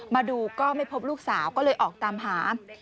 มาดูก็ไม่พบลูกสาวก็เลยออกตามหา